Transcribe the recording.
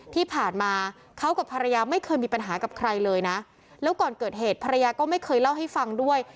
ที่ผ่านมาเขากับภรรยาไม่เคยมีปัญหากับใครเลยนะแล้วก่อนเกิดเหตุภรรยาก็ไม่เคยเล่าให้ฟังด้วย